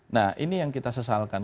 nah ini yang kita sesalkan